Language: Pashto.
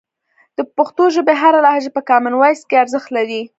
د پښتو ژبې هره لهجه په کامن وایس کې ارزښت لري.